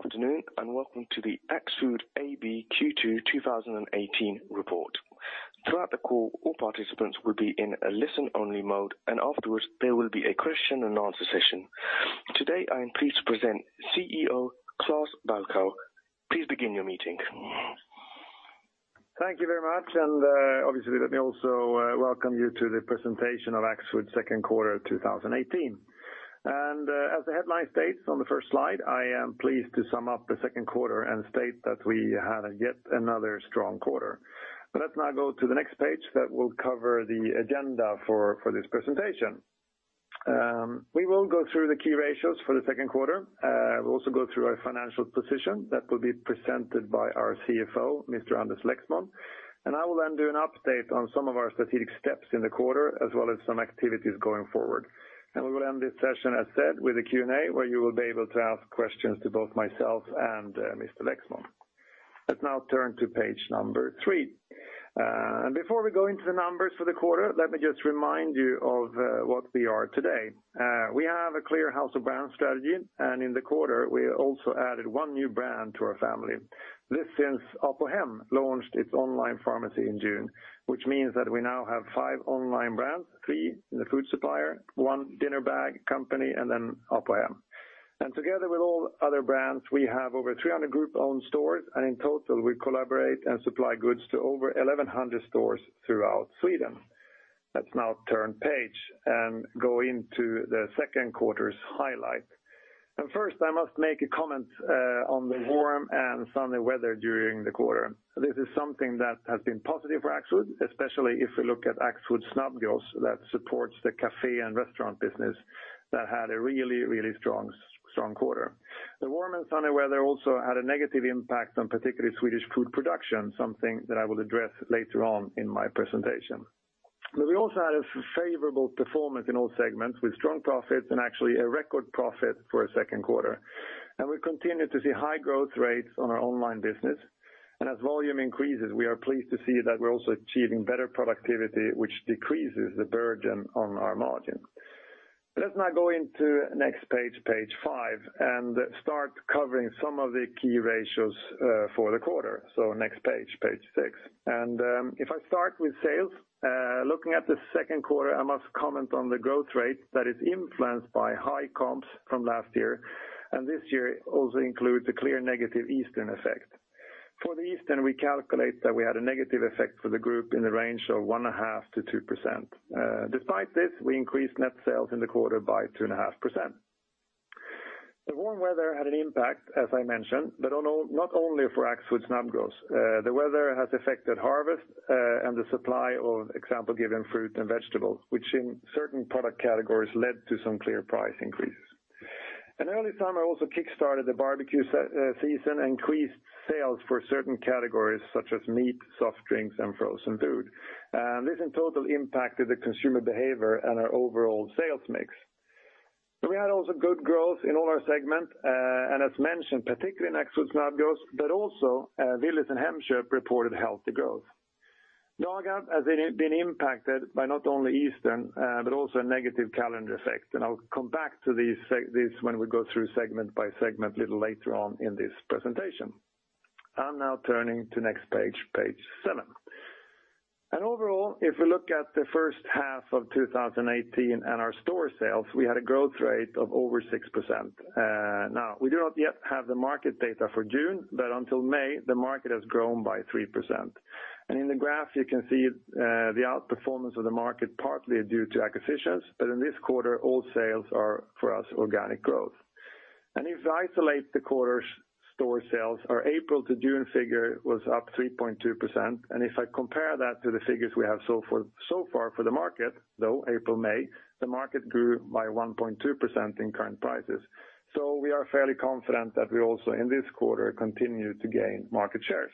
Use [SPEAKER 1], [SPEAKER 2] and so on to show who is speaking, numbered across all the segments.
[SPEAKER 1] Good afternoon and welcome to the Axfood AB Q2 2018 report. Throughout the call, all participants will be in a listen-only mode, and afterwards, there will be a question-and-answer session. Today, I am pleased to present CEO Klas Balkow. Please begin your meeting.
[SPEAKER 2] Thank you very much. Obviously, let me also welcome you to the presentation of Axfood's second quarter 2018. As the headline states on the first slide, I am pleased to sum up the second quarter and state that we had yet another strong quarter. Let's now go to the next page that will cover the agenda for this presentation. We will go through the key ratios for the second quarter. We will also go through our financial position. That will be presented by our CFO, Mr. Anders Lexmon. I will then do an update on some of our strategic steps in the quarter, as well as some activities going forward. We will end this session, as I said, with a Q&A, where you will be able to ask questions to both myself and Mr. Lexmon. Let's now turn to page number three. Before we go into the numbers for the quarter, let me just remind you of where we are today. We have a clear house of brands strategy, and in the quarter, we also added one new brand to our family. This since Apohem launched its online pharmacy in June, which means that we now have five online brands, three in the food supplier, one dinner bag company, and then Apohem. Together with all other brands, we have over 300 group-owned stores, and in total, we collaborate and supply goods to over 1,100 stores throughout Sweden. Let's now turn the page and go into the second quarter's highlight. First, I must make a comment on the warm and sunny weather during the quarter. This is something that has been positive for Axfood, especially if we look at Axfood Snabbgross that supports the cafe and restaurant business that had a really, really strong quarter. The warm and sunny weather also had a negative impact on particularly Swedish food production, something that I will address later on in my presentation. We also had a favorable performance in all segments with strong profits and actually a record profit for a second quarter. We continue to see high growth rates on our online business. As volume increases, we are pleased to see that we are also achieving better productivity, which decreases the burden on our margin. Let's now go into the next page five, and start covering some of the key ratios for the quarter. Next page six. If I start with sales, looking at the second quarter, I must comment on the growth rate that is influenced by high comps from last year, and this year also includes a clear negative Easter effect. For Easter, we calculate that we had a negative effect for the group in the range of 1.5%-2%. Despite this, we increased net sales in the quarter by 2.5%. The warm weather had an impact, as I mentioned, but not only for Axfood Snabbgross. The weather has affected harvest and the supply of, example given, fruit and vegetables, which in certain product categories led to some clear price increases. An early summer also kickstarted the barbecue season and increased sales for certain categories such as meat, soft drinks, and frozen food. This in total impacted the consumer behavior and our overall sales mix. We had also good growth in all our segments, and as mentioned, particularly in Axfood Snabbgross, but also Willys and Hemköp reported healthy growth. Dagab has been impacted by not only Easter but also a negative calendar effect, and I will come back to this when we go through segment by segment a little later on in this presentation. I am now turning to the next page 7. Overall, if we look at the first half of 2018 and our store sales, we had a growth rate of over 6%. Now, we do not yet have the market data for June, but until May, the market has grown by 3%. In the graph, you can see the outperformance of the market, partly due to acquisitions, but in this quarter, all sales are for us organic growth. If I isolate the quarter's store sales, our April to June figure was up 3.2%, and if I compare that to the figures we have so far for the market, though April, May, the market grew by 1.2% in current prices. So we are fairly confident that we also in this quarter continue to gain market shares.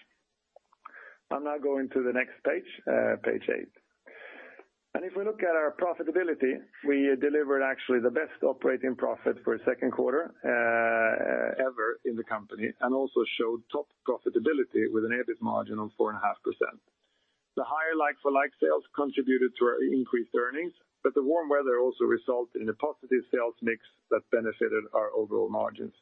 [SPEAKER 2] I am now going to the next page 8. If we look at our profitability, we delivered actually the best operating profit for a second quarter ever in the company and also showed top profitability with an EBIT margin of 4.5%. The higher like-for-like sales contributed to our increased earnings, but the warm weather also resulted in a positive sales mix that benefited our overall margins.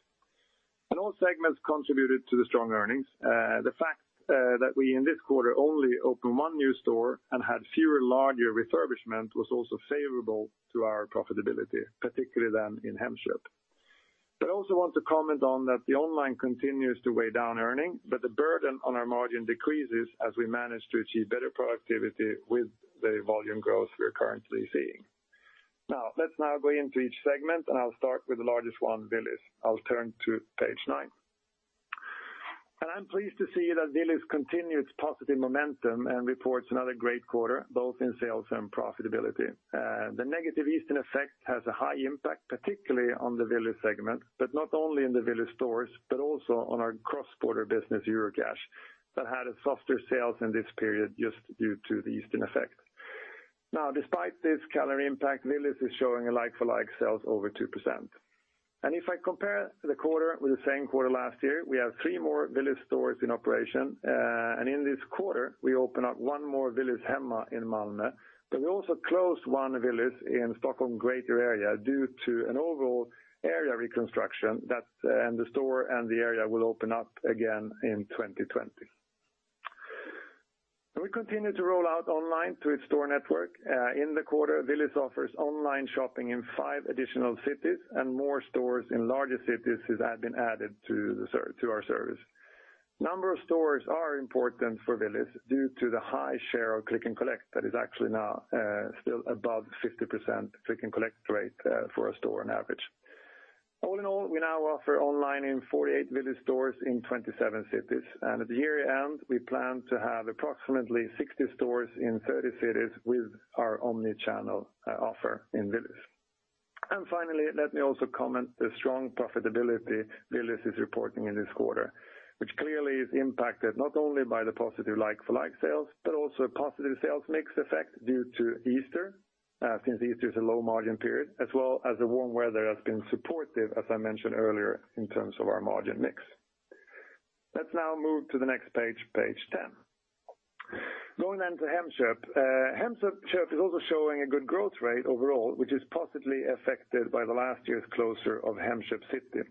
[SPEAKER 2] All segments contributed to the strong earnings. The fact that we in this quarter only opened one new store and had fewer larger refurbishments was also favorable to our profitability, particularly then in Hemköp. But I also want to comment on that the online continues to weigh down earnings, but the burden on our margin decreases as we manage to achieve better productivity with the volume growth we are currently seeing. Now, let us now go into each segment, and I will start with the largest one, Willys. I will turn to page 9. I am pleased to see that Willys continue its positive momentum and reports another great quarter, both in sales and profitability. The negative Easter effect has a high impact, particularly on the Willys segment, but not only in the Willys stores, but also on our cross-border business, Eurocash, that had softer sales in this period just due to the Easter effect. Despite this calendar impact, Willys is showing a like-for-like sales over 2%. If I compare the quarter with the same quarter last year, we have three more Willys stores in operation. In this quarter, we open up one more Willys Hemma in Malmö, but we also closed one Willys in Stockholm greater area due to an overall area reconstruction, and the store and the area will open up again in 2020. We continue to roll out online to its store network. In the quarter, Willys offers online shopping in five additional cities and more stores in larger cities have been added to our service. Number of stores are important for Willys due to the high share of click and collect that is actually now still above 50% click and collect rate for a store on average. All in all, we now offer online in 48 Willys stores in 27 cities, and at the year-end, we plan to have approximately 60 stores in 30 cities with our omni-channel offer in Willys. Finally, let me also comment the strong profitability Willys is reporting in this quarter, which clearly is impacted not only by the positive like-for-like sales, but also a positive sales mix effect due to Easter, since Easter is a low margin period, as well as the warm weather has been supportive, as I mentioned earlier, in terms of our margin mix. Let's now move to the next page 10. Going to Hemköp. Hemköp is also showing a good growth rate overall, which is positively affected by the last year's closure of Hemköp City.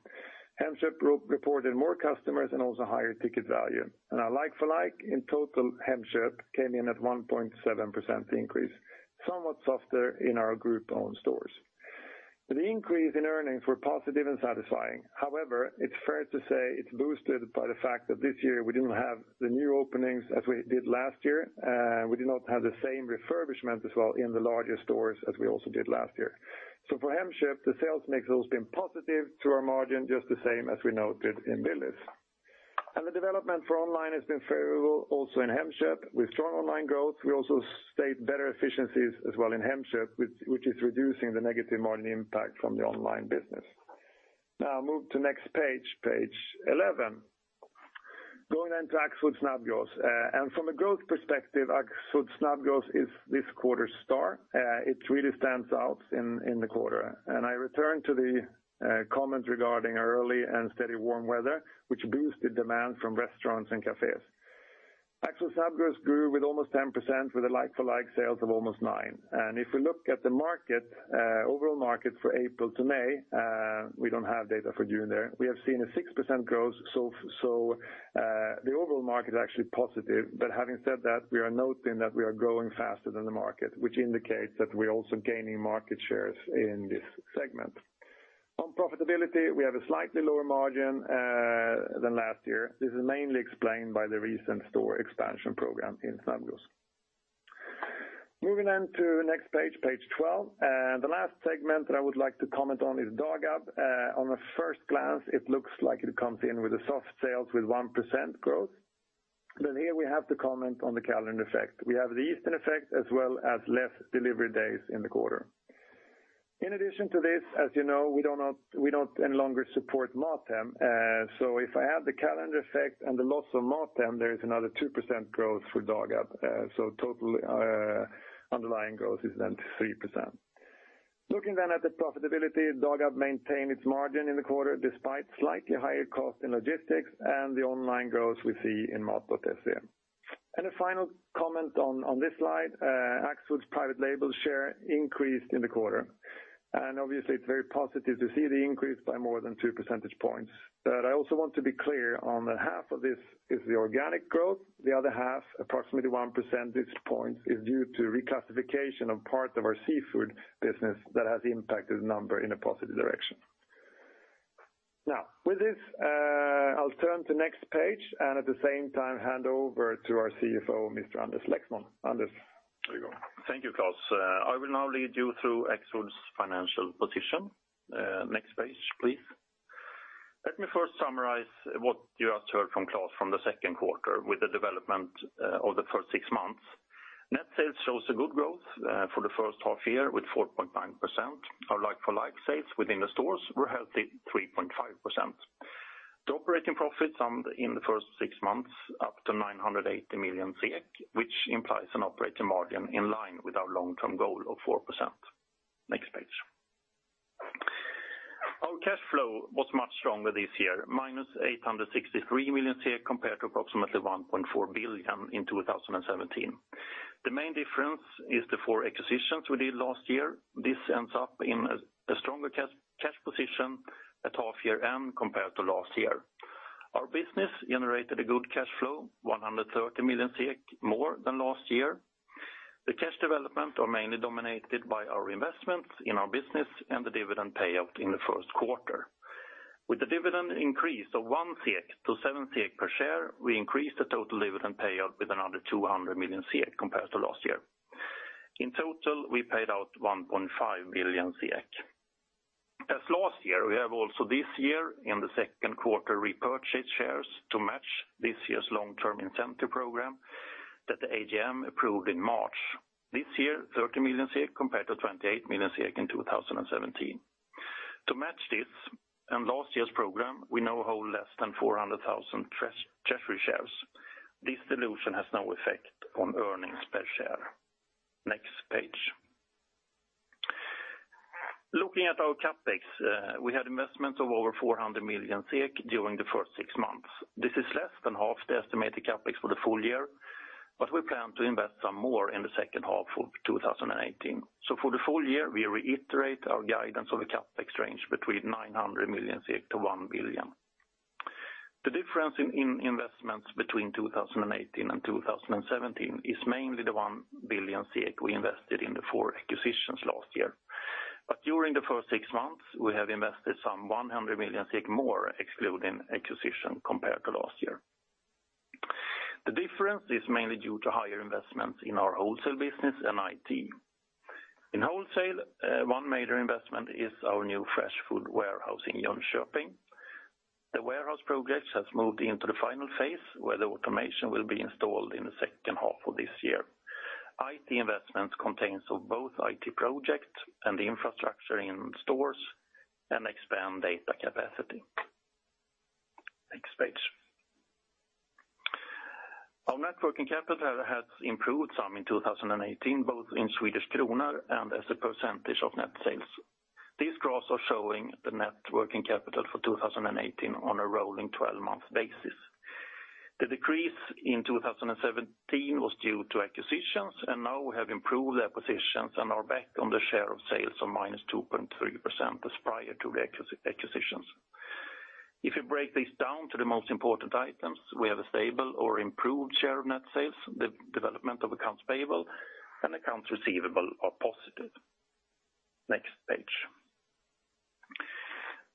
[SPEAKER 2] Hemköp reported more customers and also higher ticket value. Our like-for-like in total, Hemköp came in at 1.7% increase, somewhat softer in our group-owned stores. The increase in earnings were positive and satisfying. However, it's fair to say it's boosted by the fact that this year we didn't have the new openings as we did last year. We did not have the same refurbishment as well in the larger stores as we also did last year. For Hemköp, the sales mix has been positive to our margin, just the same as we noted in Willys. The development for online has been favorable also in Hemköp. With strong online growth, we also state better efficiencies as well in Hemköp, which is reducing the negative margin impact from the online business. Move to next page 11. Going into Axfood's Snabbgross. From a growth perspective, Axfood's Snabbgross is this quarter's star. It really stands out in the quarter. I return to the comment regarding our early and steady warm weather, which boosts the demand from restaurants and cafés. Axfood's Snabbgross grew with almost 10% with a like-for-like sales of almost 9%. If we look at the market, overall market for April to May, we don't have data for June there. We have seen a 6% growth, the overall market is actually positive. But having said that, we are noting that we are growing faster than the market, which indicates that we're also gaining market shares in this segment. On profitability, we have a slightly lower margin than last year. This is mainly explained by the recent store expansion program in Snabbgross. Moving on to the next page 12. The last segment that I would like to comment on is Dagab. On the first glance, it looks like it comes in with a soft sales with 1% growth. Here we have to comment on the Easter effect as well as less delivery days in the quarter. In addition to this, as you know, we don't any longer support Mathem. If I add the calendar effect and the loss of Mathem, there is another 2% growth for Dagab. Total underlying growth is then 3%. Looking at the profitability, Dagab maintained its margin in the quarter, despite slightly higher cost in logistics and the online growth we see in Mat.se. A final comment on this slide, Axfood's private label share increased in the quarter. Obviously it's very positive to see the increase by more than 2 percentage points. I also want to be clear on that half of this is the organic growth. The other half, approximately 1 percentage point, is due to reclassification of parts of our seafood business that has impacted the number in a positive direction. With this, I'll turn to next page and at the same time hand over to our CFO, Mr. Anders Lexmon. Anders?
[SPEAKER 3] There you go. Thank you, Klas. I will now lead you through Axfood's financial position. Next page, please. Let me first summarize what you just heard from Klas from the second quarter with the development of the first six months. Net sales shows a good growth for the first half year with 4.9%. Our like-for-like sales within the stores were healthy 3.5%. The operating profits summed in the first six months up to 980 million SEK, which implies an operating margin in line with our long-term goal of 4%. Next page. Our cash flow was much stronger this year, minus 863 million SEK compared to approximately 1.4 billion SEK in 2017. The main difference is the four acquisitions we did last year. This ends up in a stronger cash position at half year end compared to last year. Our business generated a good cash flow, 130 million SEK more than last year. The cash development are mainly dominated by our investments in our business and the dividend payout in the first quarter. With the dividend increase of one SEK to seven SEK per share, we increased the total dividend payout with another 200 million SEK compared to last year. In total, we paid out 1.5 billion SEK. As last year, we have also this year in the second quarter repurchased shares to match this year's long-term incentive program that the AGM approved in March. This year, 30 million SEK compared to 28 million SEK in 2017. To match this and last year's program, we now hold less than 400,000 treasury shares. This dilution has no effect on earnings per share. Next page. Looking at our CapEx, we had investments of over 400 million SEK during the first six months. This is less than half the estimated CapEx for the full year. We plan to invest some more in the second half of 2018. For the full year, we reiterate our guidance of a CapEx range between 900 million-1 billion. The difference in investments between 2018 and 2017 is mainly the 1 billion we invested in the four acquisitions last year. During the first six months, we have invested some 100 million more excluding acquisitions compared to last year. The difference is mainly due to higher investments in our wholesale business and IT. In wholesale, one major investment is our new fresh food warehouse in Jönköping. The warehouse progress has moved into the final phase, where the automation will be installed in the second half of this year. IT investments consist of both IT projects and the infrastructure in stores and expand data capacity. Next page. Our net working capital has improved some in 2018, both in Swedish krona and as a percentage of net sales. These graphs are showing the net working capital for 2018 on a rolling 12-month basis. The decrease in 2017 was due to acquisitions. Now we have improved acquisitions and are back on the share of sales of minus 2.3% as prior to the acquisitions. If you break this down to the most important items, we have a stable or improved share of net sales. The development of accounts payable and accounts receivable are positive. Next page.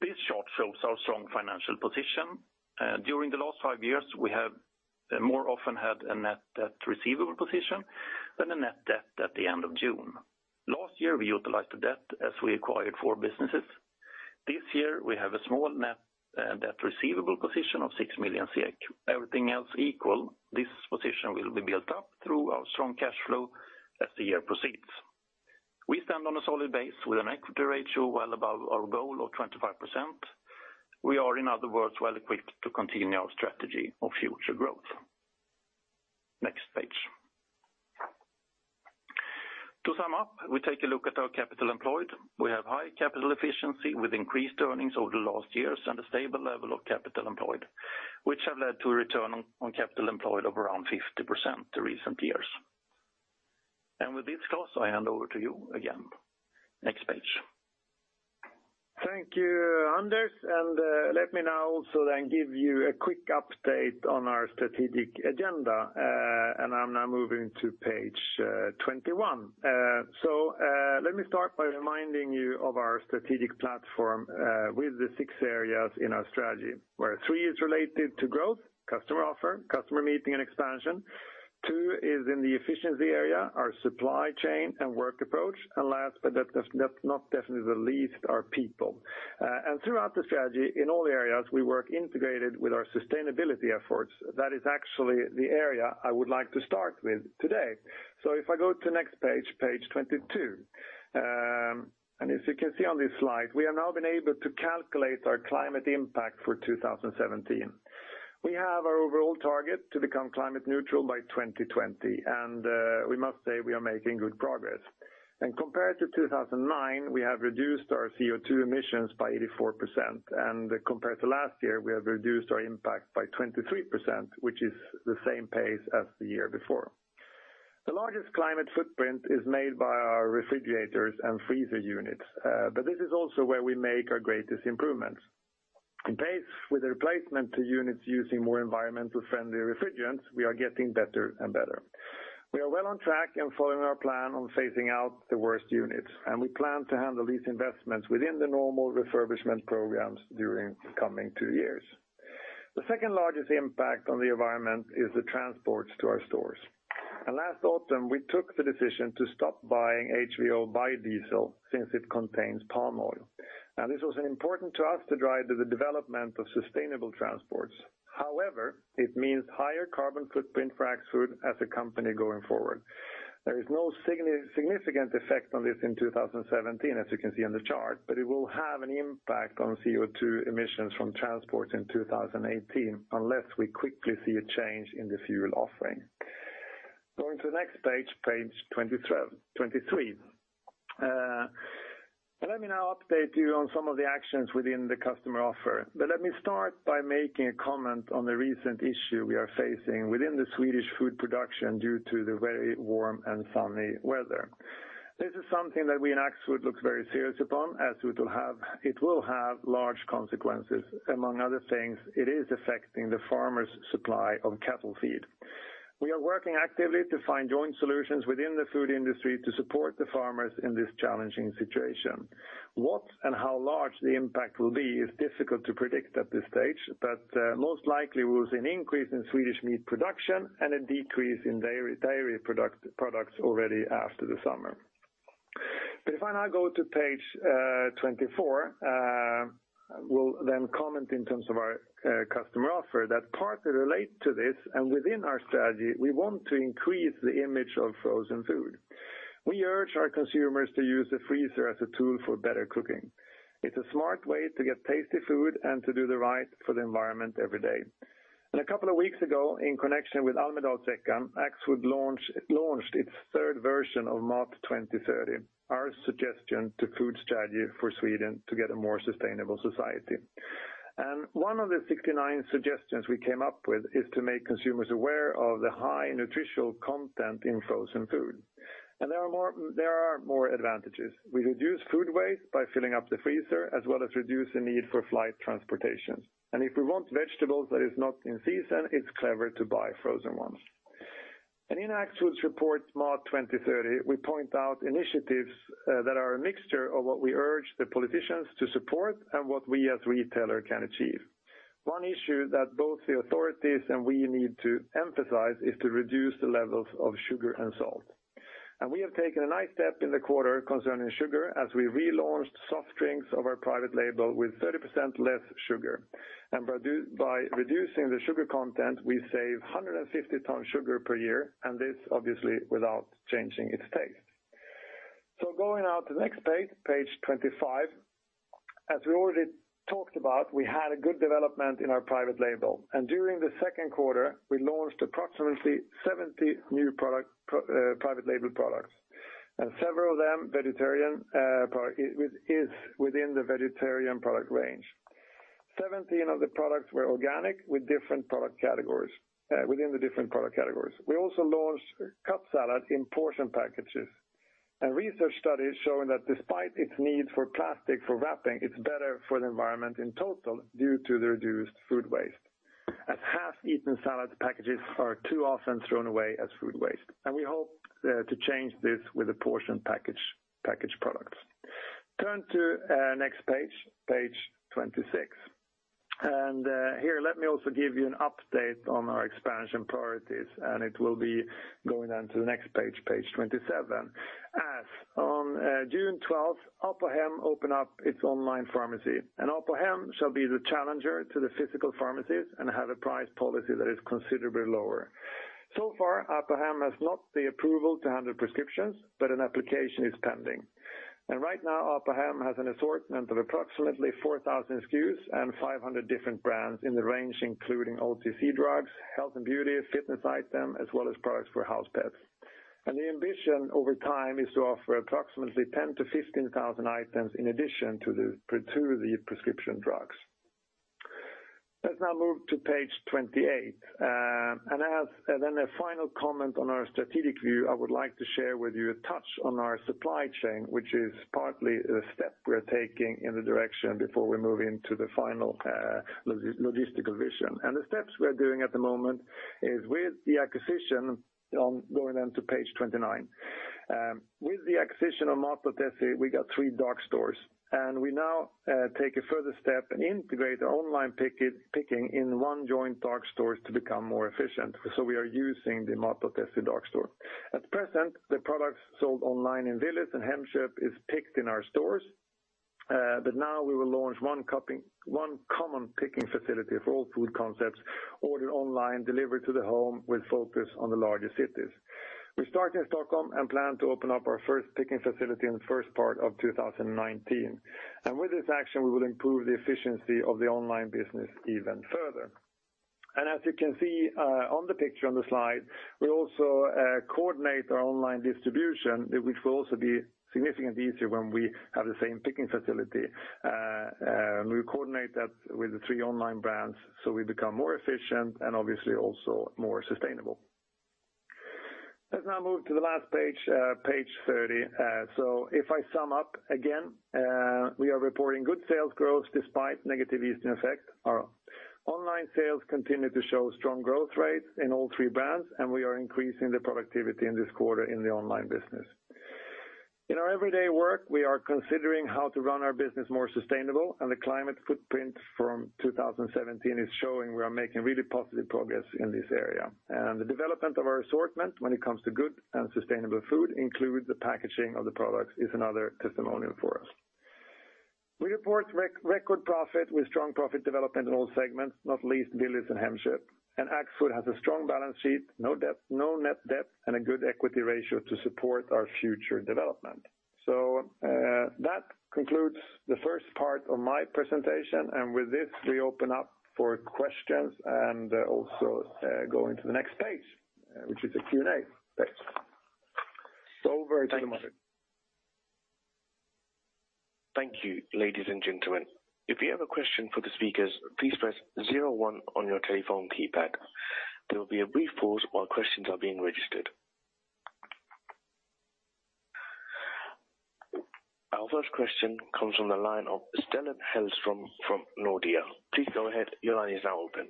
[SPEAKER 3] This chart shows our strong financial position. During the last five years, we have more often had a net receivable position than a net debt at the end of June. Last year, we utilized the debt as we acquired four businesses. This year we have a small net debt receivable position of 6 million. Everything else equal, this position will be built up through our strong cash flow as the year proceeds. We stand on a solid base with an equity ratio well above our goal of 25%. We are, in other words, well equipped to continue our strategy of future growth. Next page. To sum up, we take a look at our capital employed. We have high capital efficiency with increased earnings over the last years and a stable level of capital employed, which have led to a return on capital employed of around 50% the recent years. With this, Klas, I hand over to you again. Next page.
[SPEAKER 2] Thank you, Anders. Let me now also then give you a quick update on our strategic agenda. I am now moving to page 21. Let me start by reminding you of our strategic platform with the six areas in our strategy, where three is related to growth, customer offer, customer meeting, and expansion. Two is in the efficiency area, our supply chain and work approach. Last, but not definitely the least, our people. Throughout the strategy in all areas, we work integrated with our sustainability efforts. That is actually the area I would like to start with today. If I go to the next page 22. As you can see on this slide, we have now been able to calculate our climate impact for 2017. We have our overall target to become climate neutral by 2020. We must say we are making good progress. Compared to 2009, we have reduced our CO2 emissions by 84%. Compared to last year, we have reduced our impact by 23%, which is the same pace as the year before. The largest climate footprint is made by our refrigerators and freezer units. This is also where we make our greatest improvements. In pace with the replacement to units using more environmental friendly refrigerants, we are getting better and better. We are well on track and following our plan on phasing out the worst units, and we plan to handle these investments within the normal refurbishment programs during the coming two years. The second largest impact on the environment is the transports to our stores. Last autumn, we took the decision to stop buying HVO biodiesel since it contains palm oil. This was important to us to drive the development of sustainable transports. However, it means higher carbon footprint for Axfood as a company going forward. There is no significant effect on this in 2017, as you can see on the chart, but it will have an impact on CO2 emissions from transport in 2018 unless we quickly see a change in the fuel offering. Going to the next page 23. Let me now update you on some of the actions within the customer offer. Let me start by making a comment on the recent issue we are facing within the Swedish food production due to the very warm and sunny weather. This is something that we in Axfood look very serious upon as it will have large consequences. Among other things, it is affecting the farmers' supply of cattle feed. We are working actively to find joint solutions within the food industry to support the farmers in this challenging situation. What and how large the impact will be is difficult to predict at this stage, but most likely, we will see an increase in Swedish meat production and a decrease in dairy products already after the summer. If I now go to page 24, we will then comment in terms of our customer offer that partly relate to this and within our strategy, we want to increase the image of frozen food. We urge our consumers to use the freezer as a tool for better cooking. It is a smart way to get tasty food and to do the right for the environment every day. A couple of weeks ago, in connection with Almedalsveckan, Axfood launched its third version of Mat 2030, our suggestion to food strategy for Sweden to get a more sustainable society. One of the 69 suggestions we came up with is to make consumers aware of the high nutritional content in frozen food. There are more advantages. We reduce food waste by filling up the freezer as well as reduce the need for flight transportation. If we want vegetables that is not in season, it's clever to buy frozen ones. In Axfood's report Mat 2030, we point out initiatives that are a mixture of what we urge the politicians to support and what we as retailer can achieve. One issue that both the authorities and we need to emphasize is to reduce the levels of sugar and salt. We have taken a nice step in the quarter concerning sugar as we relaunched soft drinks of our private label with 30% less sugar. By reducing the sugar content, we save 150 ton sugar per year, and this obviously without changing its taste. Going now to the next page 25. As we already talked about, we had a good development in our private label. During the second quarter, we launched approximately 70 new private label products. Several of them is within the vegetarian product range. 17 of the products were organic within the different product categories. We also launched cup salad in portion packages. Research studies showing that despite its need for plastic for wrapping, it's better for the environment in total due to the reduced food waste. As half-eaten salad packages are too often thrown away as food waste. We hope to change this with the portion package products. Turn to next page 26. Here, let me also give you an update on our expansion priorities, and it will be going on to the next page 27. On June 12th, Apohem opened up its online pharmacy, and Apohem shall be the challenger to the physical pharmacies and have a price policy that is considerably lower. So far, Apohem has not the approval to handle prescriptions, but an application is pending. Right now, Apohem has an assortment of approximately 4,000 SKUs and 500 different brands in the range, including OTC drugs, health and beauty, fitness item, as well as products for house pets. The ambition over time is to offer approximately 10,000-15,000 items in addition to the prescription drugs. Let's now move to page 28. Then a final comment on our strategic view, I would like to share with you a touch on our supply chain, which is partly a step we're taking in the direction before we move into the final logistical vision. The steps we're doing at the moment is with the acquisition on going on to page 29. With the acquisition of Matöppet, we got three dark stores, and we now take a further step and integrate the online picking in one joint dark stores to become more efficient. We are using the Matöppet dark store. At present, the products sold online in Willys and Hemköp is picked in our stores. Now we will launch one common picking facility for all food concepts ordered online, delivered to the home with focus on the larger cities. We start in Stockholm and plan to open up our first picking facility in the first part of 2019. With this action, we will improve the efficiency of the online business even further. As you can see on the picture on the slide, we also coordinate our online distribution, which will also be significantly easier when we have the same picking facility. We coordinate that with the three online brands, we become more efficient and obviously also more sustainable. Let's now move to the last page 30. If I sum up again, we are reporting good sales growth despite negative Easter effect. Our online sales continue to show strong growth rates in all three brands, and we are increasing the productivity in this quarter in the online business. In our everyday work, we are considering how to run our business more sustainable, and the climate footprint from 2017 is showing we are making really positive progress in this area. The development of our assortment when it comes to good and sustainable food includes the packaging of the products is another testimonial for us. We report record profit with strong profit development in all segments, not least Willys and Hemköp. Axfood has a strong balance sheet, no net debt, and a good equity ratio to support our future development. That concludes the first part of my presentation. With this, we open up for questions and also go into the next page, which is the Q&A page. Over to the moderator.
[SPEAKER 1] Thank you. Thank you, ladies and gentlemen. If you have a question for the speakers, please press 01 on your telephone keypad. There will be a brief pause while questions are being registered. Our first question comes from the line of Stellan Hellström from Nordea. Please go ahead. Your line is now open.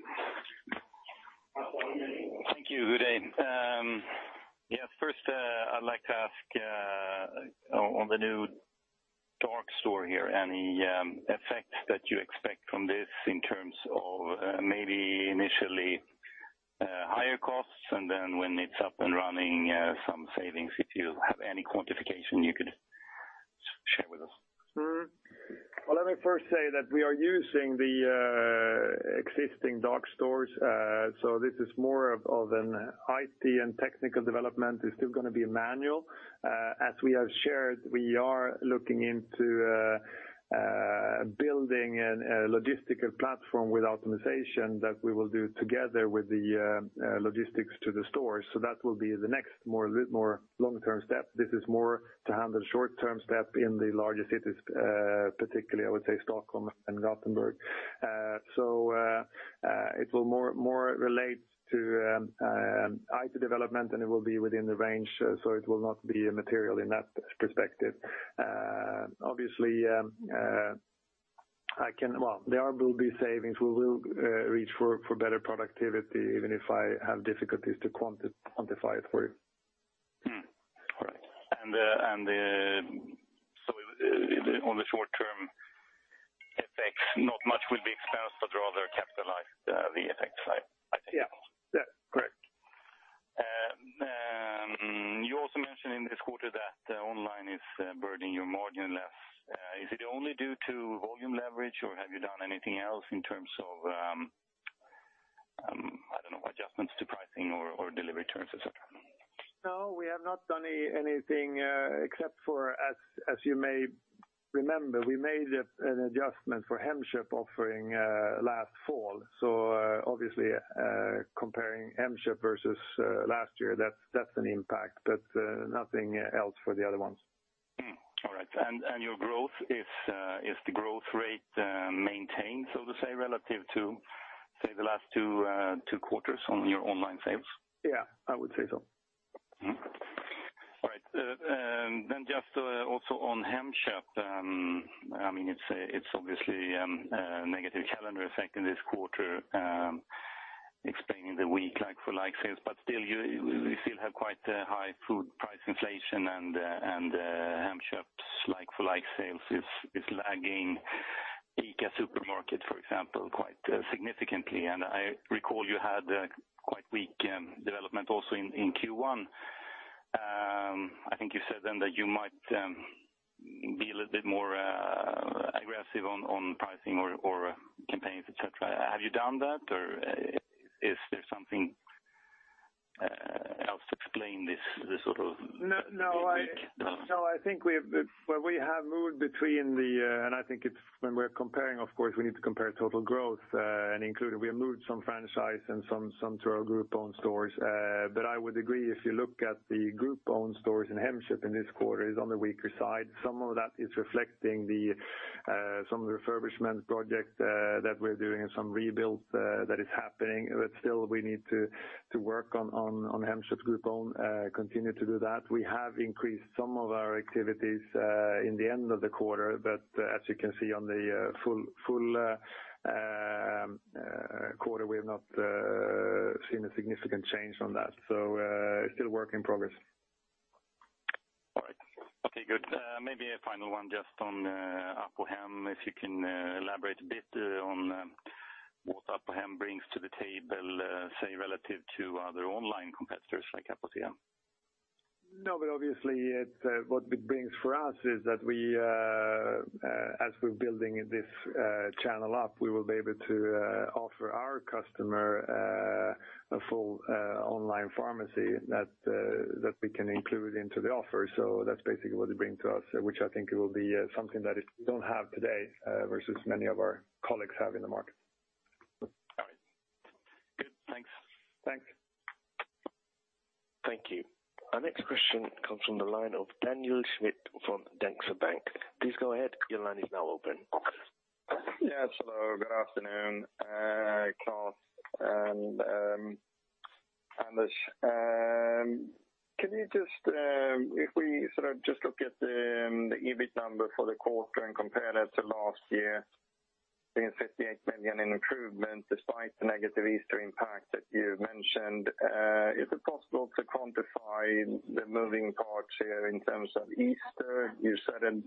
[SPEAKER 4] Thank you. Good day. First, I'd like to ask on the new dark store here, any effects that you expect from this in terms of maybe initially higher costs and then when it's up and running some savings, if you have any quantification you could share with us?
[SPEAKER 2] Well, let me first say that we are using the existing dark stores. This is more of an IT and technical development. It's still going to be manual. As we have shared, we are looking into building a logistical platform with optimization that we will do together with the logistics to the stores. That will be the next more long-term step. This is more to handle short-term step in the larger cities, particularly, I would say Stockholm and Gothenburg. It will more relate to IT development, and it will be within the range, so it will not be material in that perspective. There will be savings. We will reach for better productivity, even if I have difficulties to quantify it for you.
[SPEAKER 4] All right. On the short-term effect, not much will be expensed but rather capitalized, the effects, I suppose.
[SPEAKER 2] Yes. Correct.
[SPEAKER 4] You also mentioned in this quarter that online is burdening your margin less. Is it only due to volume leverage, or have you done anything else in terms of, I don't know, adjustments to pricing or delivery terms, et cetera?
[SPEAKER 2] No, we have not done anything except for, as you may remember, we made an adjustment for Hemköp offering last fall. Obviously comparing Hemköp versus last year, that's an impact, but nothing else for the other ones.
[SPEAKER 4] All right. Your growth, is the growth rate maintained, so to say, relative to, say, the last two quarters on your online sales?
[SPEAKER 2] Yes, I would say so.
[SPEAKER 4] All right. Just also on Hemköp, it's obviously a negative calendar effect in this quarter explaining the weak like-for-like sales, but we still have quite a high food price inflation and Hemköp's like-for-like sales is lagging ICA Supermarket, for example, quite significantly. I recall you had a quite weak development also in Q1. I think you said then that you might be a little bit more aggressive on pricing or campaigns, et cetera. Have you done that, or is there something else to explain this?
[SPEAKER 2] I think when we're comparing, of course, we need to compare total growth and including we moved some franchise and some to our group-owned stores. I would agree, if you look at the group-owned stores in Hemköp in this quarter, it is on the weaker side. Some of that is reflecting some refurbishment project that we're doing and some rebuild that is happening. Still, we need to work on Hemköp group-owned, continue to do that. We have increased some of our activities in the end of the quarter, but as you can see on the full quarter, we have not seen a significant change from that. It's still work in progress.
[SPEAKER 4] All right. Okay, good. Maybe a final one just on Apohem, if you can elaborate a bit on what Apohem brings to the table, say, relative to other online competitors like Apotea.
[SPEAKER 2] Obviously, what it brings for us is that as we're building this channel up, we will be able to offer our customer a full online pharmacy that we can include into the offer. That's basically what it brings to us, which I think it will be something that we don't have today, versus many of our colleagues have in the market.
[SPEAKER 4] All right. Good. Thanks.
[SPEAKER 2] Thanks.
[SPEAKER 1] Thank you. Our next question comes from the line of Daniel Schmidt from Danske Bank. Please go ahead. Your line is now open.
[SPEAKER 5] Yes, hello. Good afternoon, Klas and Anders. If we just look at the EBIT number for the quarter and compare that to last year, seeing 58 million in improvement despite the negative Easter impact that you mentioned, is it possible to quantify the moving parts here in terms of Easter? You said it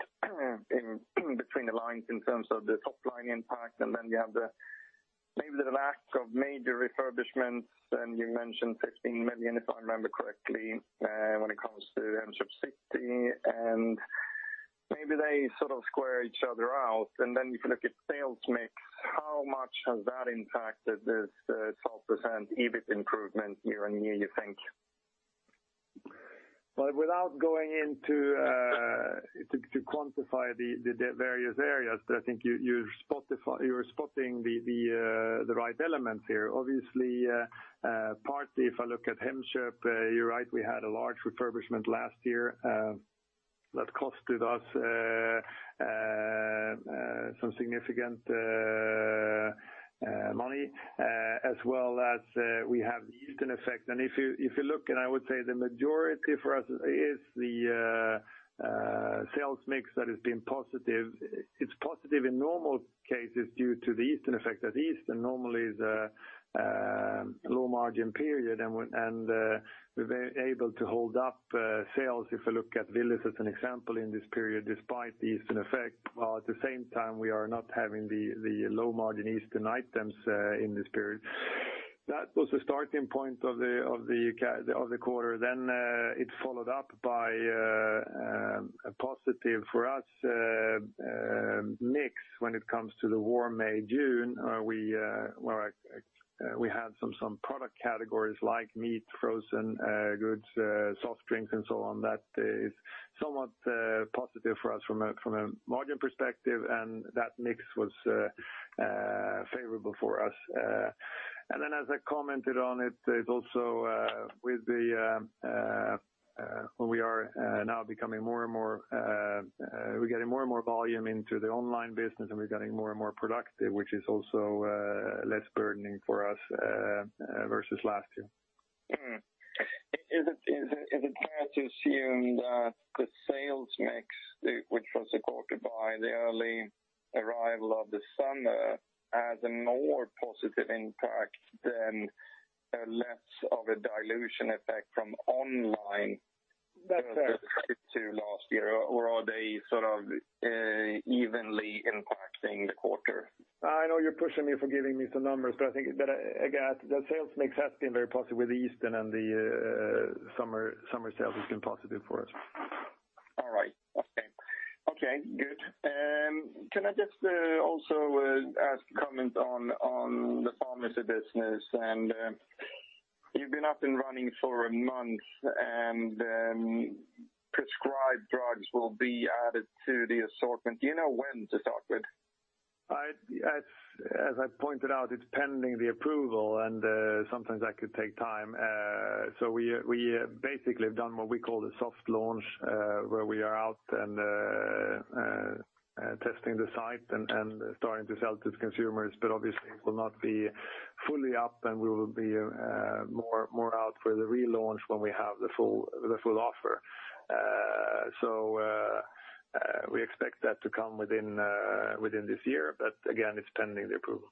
[SPEAKER 5] in between the lines in terms of the top line impact, then you have maybe the lack of major refurbishments, and you mentioned 15 million, if I remember correctly, when it comes to Hemköp City, and maybe they sort of square each other out. Then if you look at sales mix, how much has that impacted this 12% EBIT improvement year-on-year, you think?
[SPEAKER 2] Without going in to quantify the various areas, I think you're spotting the right elements here. Obviously, partly if I look at Hemköp, you're right, we had a large refurbishment last year that costed us some significant money, as well as we have the Easter effect. If you look, and I would say the majority for us is the sales mix that has been positive. It's positive in normal cases due to the Easter effect, as Easter normally is a low-margin period, and we're able to hold up sales, if I look at Willys as an example, in this period, despite the Easter effect. While at the same time, we are not having the low-margin Easter items in this period. That was the starting point of the quarter. It followed up by a positive for us mix when it comes to the warm May, June, where we had some product categories like meat, frozen goods, soft drinks, and so on. That is somewhat positive for us from a margin perspective, and that mix was favorable for us. Then as I commented on it, we are getting more and more volume into the online business, and we're getting more and more productive, which is also less burdening for us versus last year.
[SPEAKER 5] Is it fair to assume that the sales mix, which was supported by the early arrival of the summer, has a more positive impact than less of a dilution effect from online-
[SPEAKER 2] That's-
[SPEAKER 5] -to last year, or are they evenly impacting the quarter?
[SPEAKER 2] I know you're pushing me for giving me some numbers, I think that, again, the sales mix has been very positive with the Easter and the summer sales has been positive for us.
[SPEAKER 5] All right. Okay, good. Can I just also ask comment on the pharmacy business? You've been up and running for a month, prescribed drugs will be added to the assortment. Do you know when to start with?
[SPEAKER 2] As I pointed out, it's pending the approval and sometimes that could take time. We basically have done what we call the soft launch, where we are out and testing the site and starting to sell to consumers, but obviously it will not be fully up and we will be more out for the relaunch when we have the full offer. We expect that to come within this year, but again, it's pending the approval.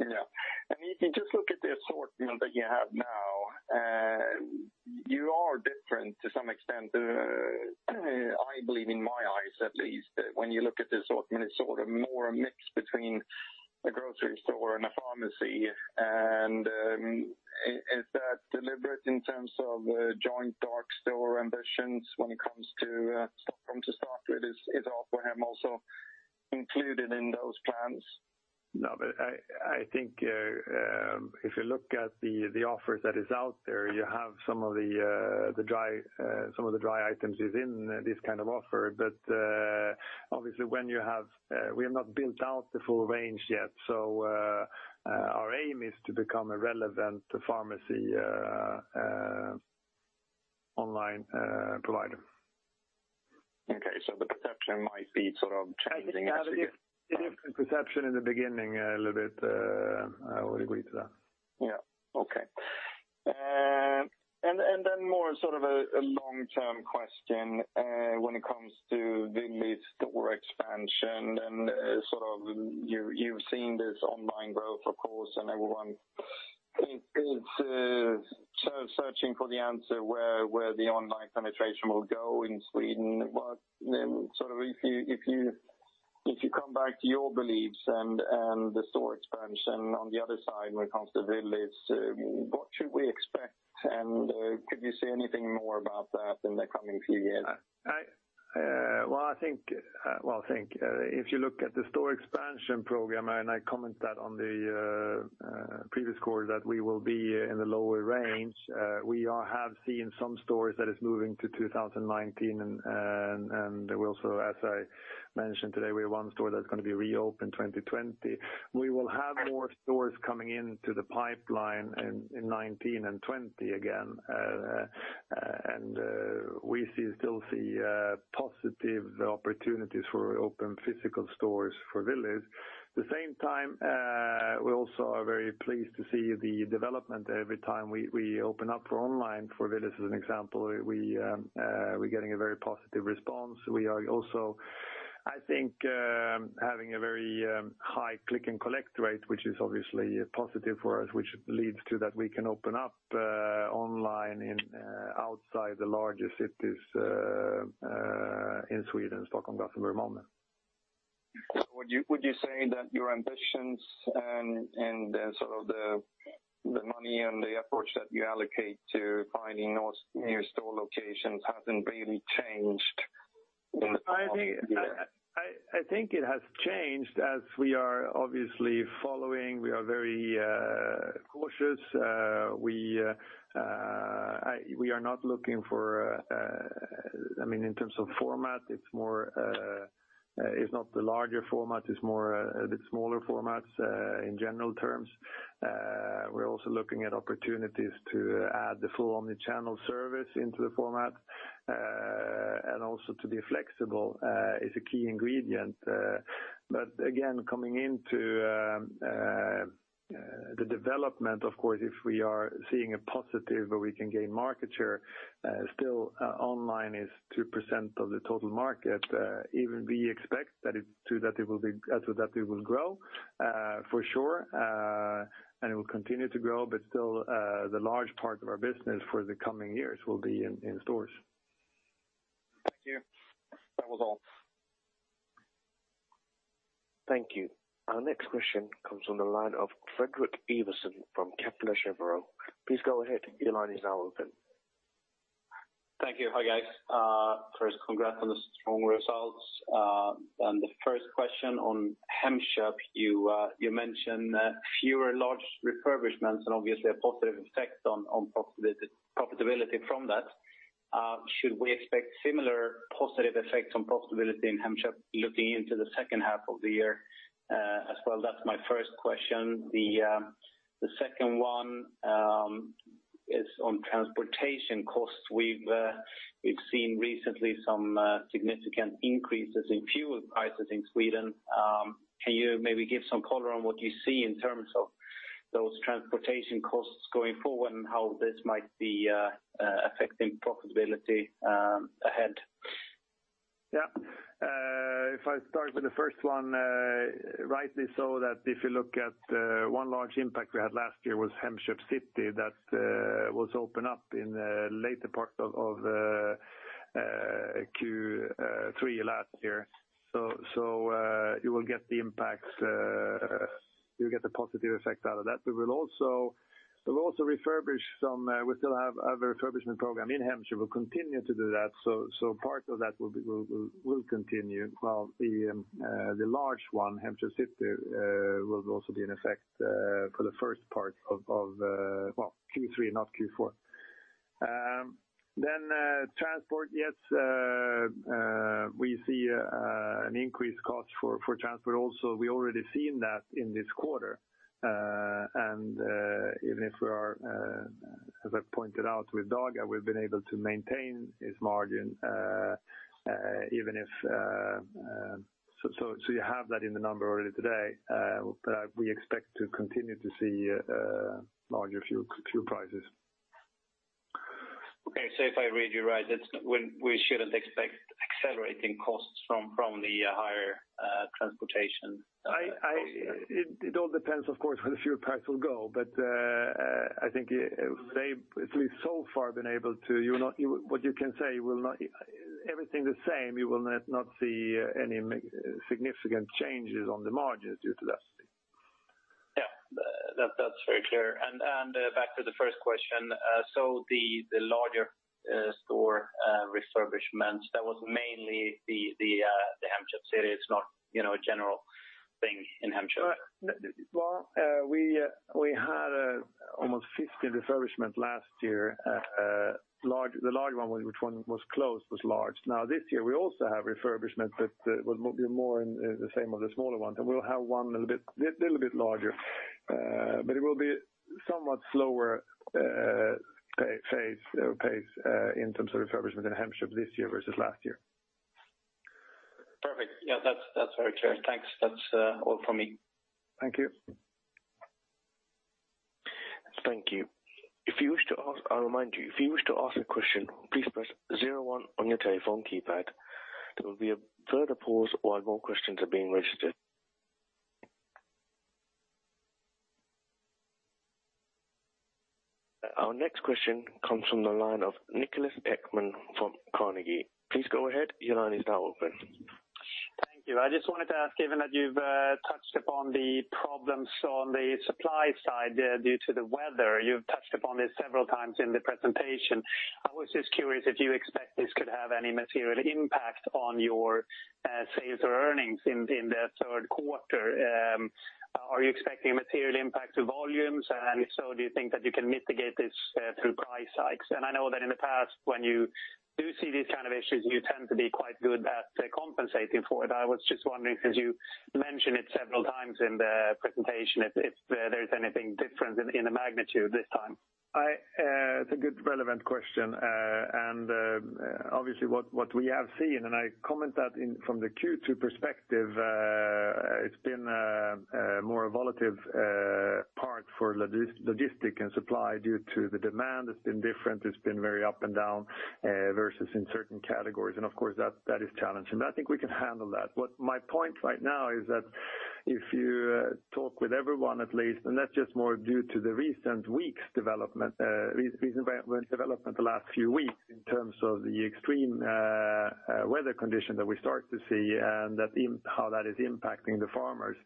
[SPEAKER 5] Yeah. If you just look at the assortment that you have now, you are different to some extent. I believe in my eyes at least, when you look at the assortment, it's sort of more a mix between a grocery store and a pharmacy. Is that deliberate in terms of joint dark store ambitions when it comes to Stockholm? To start with, is Apohem also included in those plans?
[SPEAKER 2] No, I think if you look at the offers that is out there, you have some of the dry items within this kind of offer. Obviously we have not built out the full range yet. Our aim is to become a relevant pharmacy online provider.
[SPEAKER 5] Okay, the perception might be changing.
[SPEAKER 2] The perception in the beginning a little bit, I would agree to that.
[SPEAKER 5] Yeah. Okay. More sort of a long-term question, when it comes to the store expansion and you've seen this online growth, of course, and everyone is searching for the answer where the online penetration will go in Sweden. If you come back to your beliefs and the store expansion on the other side when it comes to Willys, what should we expect? Could you say anything more about that in the coming few years?
[SPEAKER 2] Well, I think if you look at the store expansion program, I commented that on the previous quarter, that we will be in the lower range. We have seen some stores that is moving to 2019, we also, as I mentioned today, we have one store that's going to be reopened 2020. We will have more stores coming into the pipeline in 2019 and 2020 again. We still see positive opportunities for open physical stores for Willys. The same time, we also are very pleased to see the development every time we open up for online for Willys, as an example, we're getting a very positive response. We are also, I think, having a very high click-and-collect rate, which is obviously positive for us, which leads to that we can open up online outside the largest cities in Sweden, Stockholm, Gothenburg, Malmö.
[SPEAKER 5] Would you say that your ambitions and the money and the approach that you allocate to finding those new store locations hasn't really changed in the past year?
[SPEAKER 2] I think it has changed as we are obviously following. We are very cautious. We are not looking for in terms of format, it's not the larger format, it's more the smaller formats in general terms. We're also looking at opportunities to add the full omni-channel service into the format. Also to be flexible is a key ingredient. Again, coming into the development, of course, if we are seeing a positive where we can gain market share, still online is 2% of the total market. Even we expect that it will grow for sure, and it will continue to grow, but still the large part of our business for the coming years will be in stores.
[SPEAKER 5] Thank you. That was all.
[SPEAKER 1] Thank you. Our next question comes from the line of Fredrik Ivarsson from Kepler Cheuvreux. Please go ahead. Your line is now open.
[SPEAKER 6] Thank you. Hi, guys. First, congrats on the strong results. The first question on Hemköp, you mentioned fewer large refurbishments and obviously a positive effect on profitability from that. Should we expect similar positive effects on profitability in Hemköp looking into the second half of the year as well? That's my first question. The second one is on transportation costs. We've seen recently some significant increases in fuel prices in Sweden. Can you maybe give some color on what you see in terms of those transportation costs going forward and how this might be affecting profitability ahead?
[SPEAKER 2] If I start with the first one, rightly so that if you look at one large impact we had last year was Hemköp City that was opened up in the later part of Q3 last year. You will get the positive effects out of that. We still have a refurbishment program in Hemköp. We'll continue to do that. Part of that will continue while the large one, Hemköp City, will also be in effect for the first part of Q3, not Q4. Transport. Yes, we see an increased cost for transport also. We already seen that in this quarter. Even if we are, as I pointed out with Dagab, we've been able to maintain this margin. You have that in the number already today, but we expect to continue to see larger fuel prices.
[SPEAKER 6] If I read you right, we shouldn't expect accelerating costs from the higher transportation?
[SPEAKER 2] It all depends, of course, where the fuel price will go. I think we've so far been able to What you can say, everything the same, you will not see any significant changes on the margins due to that.
[SPEAKER 6] That's very clear. Back to the first question, the larger store refurbishments, that was mainly the Hemköp City. It's not a general thing in Hemköp.
[SPEAKER 2] Well, we had almost 50 refurbishment last year. The large one, which one was closed, was large. Now this year, we also have refurbishment that will be more in the same of the smaller ones. We'll have one little bit larger. It will be somewhat slower pace in terms of refurbishment in Hemköp this year versus last year.
[SPEAKER 6] Perfect. Yeah, that's very clear. Thanks. That's all from me.
[SPEAKER 2] Thank you.
[SPEAKER 1] Thank you. I'll remind you, if you wish to ask a question, please press zero one on your telephone keypad. There will be a further pause while more questions are being registered. Our next question comes from the line of Niklas Pettersson from Carnegie. Please go ahead. Your line is now open.
[SPEAKER 7] Thank you. I just wanted to ask, given that you've touched upon the problems on the supply side due to the weather. You've touched upon this several times in the presentation. I was just curious if you expect this could have any material impact on your sales or earnings in the third quarter. Are you expecting a material impact to volumes? If so, do you think that you can mitigate this through price hikes? I know that in the past, when you do see these kind of issues, you tend to be quite good at compensating for it. I was just wondering, since you mentioned it several times in the presentation, if there's anything different in the magnitude this time?
[SPEAKER 2] It's a good relevant question. Obviously what we have seen, and I comment that from the Q2 perspective, it's been a more volatile part for logistic and supply due to the demand. It's been different. It's been very up and down versus in certain categories. Of course that is challenging, but I think we can handle that. My point right now is that if you talk with everyone at least, that's just more due to the recent event development the last few weeks in terms of the extreme weather condition that we start to see and how that is impacting the farmers.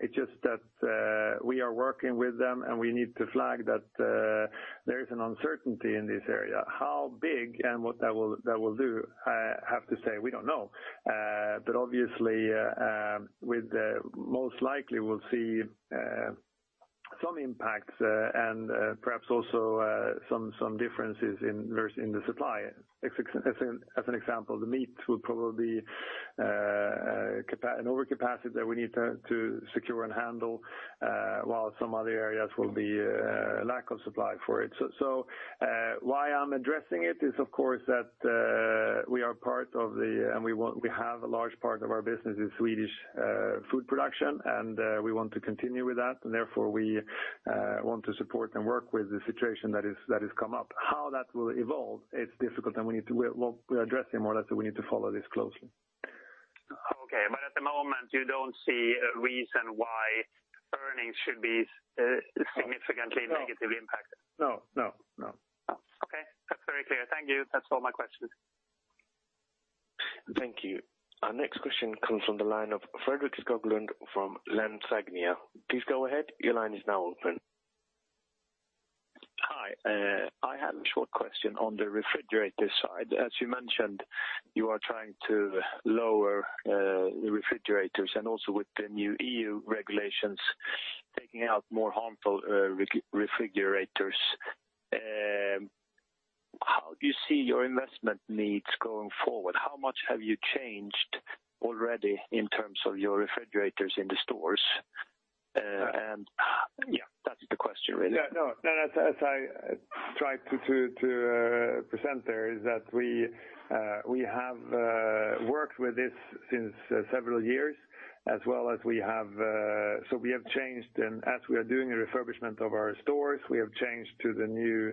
[SPEAKER 2] It's just that we are working with them, and we need to flag that there is an uncertainty in this area. How big and what that will do, I have to say we don't know. Obviously, most likely we'll see some impacts and perhaps also some differences in the supply. As an example, the meat will probably an overcapacity that we need to secure and handle, while some other areas will be a lack of supply for it. Why I'm addressing it is, of course, that we have a large part of our business in Swedish food production, and we want to continue with that, and therefore we want to support and work with the situation that has come up. How that will evolve, it's difficult and we're addressing more or less. We need to follow this closely.
[SPEAKER 7] Okay. At the moment, you don't see a reason why earnings should be significantly negatively impacted?
[SPEAKER 2] No.
[SPEAKER 7] Okay. That's very clear. Thank you. That's all my questions.
[SPEAKER 1] Thank you. Our next question comes from the line of Fredrik Skoglund from Landshypotek. Please go ahead. Your line is now open.
[SPEAKER 8] Hi. I had a short question on the refrigerator side. As you mentioned, you are trying to lower the refrigerators and also with the new EU regulations taking out more harmful refrigerators. How do you see your investment needs going forward? How much have you changed already in terms of your refrigerators in the stores? Yeah, that's the question really.
[SPEAKER 2] No, as I tried to present there is that we have worked with this since several years. We have changed and as we are doing a refurbishment of our stores, we have changed to the new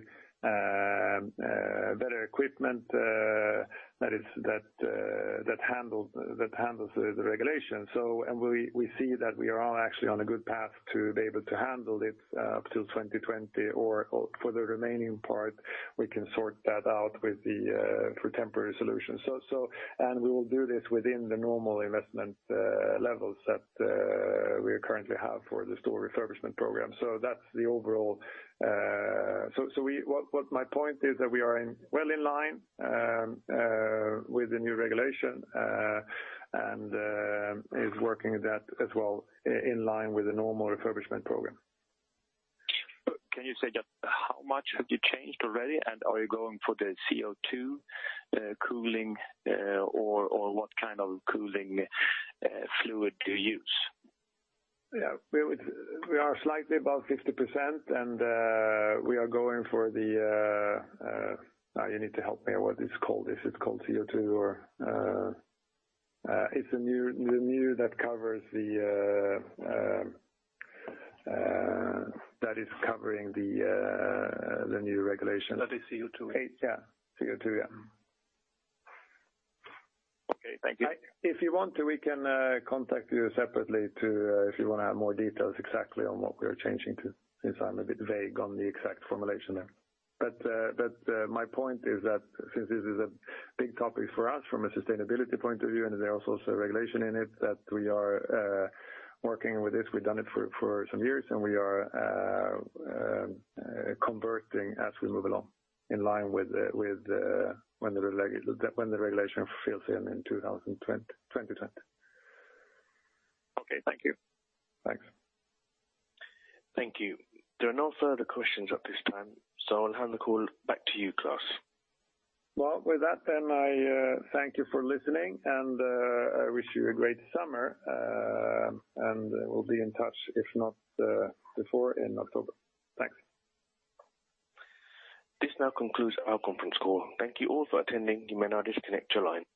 [SPEAKER 2] better equipment that handles the regulation. We see that we are all actually on a good path to be able to handle it up till 2020 or for the remaining part, we can sort that out with the temporary solution. We will do this within the normal investment levels that we currently have for the store refurbishment program. My point is that we are well in line with the new regulation, and is working that as well in line with the normal refurbishment program.
[SPEAKER 8] Can you say just how much have you changed already, and are you going for the CO2 cooling, or what kind of cooling fluid do you use?
[SPEAKER 2] Yeah. We are slightly above 50%, and we are going for the You need to help me on what this is called CO2, or it's the new that is covering the new regulations.
[SPEAKER 8] That is CO2.
[SPEAKER 2] Yeah. CO2, yeah.
[SPEAKER 8] Okay. Thank you.
[SPEAKER 2] If you want to, we can contact you separately if you want to have more details exactly on what we are changing to, since I'm a bit vague on the exact formulation there. My point is that since this is a big topic for us from a sustainability point of view, and there is also a regulation in it that we are working with this, we've done it for some years, and we are converting as we move along in line with when the regulation fulfills in 2020.
[SPEAKER 8] Okay. Thank you.
[SPEAKER 2] Thanks.
[SPEAKER 1] Thank you. There are no further questions at this time, I'll hand the call back to you, Klas.
[SPEAKER 2] Well, with that then I thank you for listening, and I wish you a great summer, and we'll be in touch, if not before, in October. Thanks.
[SPEAKER 1] This now concludes our conference call. Thank you all for attending. You may now disconnect your lines.